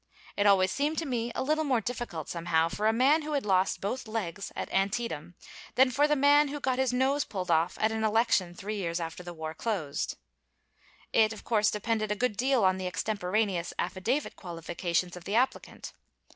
It always seemed to me a little more difficult somehow for a man who had lost both legs at Antietam, than for the man who got his nose pulled off at an election three years after the war closed. It, of course, depended a good deal on the extemporaneous affidavit qualifications of the applicant.